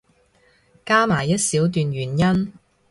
加埋一小段原因